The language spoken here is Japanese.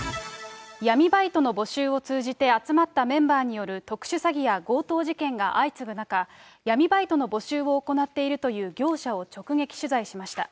闇バイトの募集を通じて集まったメンバーによる特殊詐欺や強盗事件が相次ぐ中、闇バイトの募集を行っているという業者を直撃取材しました。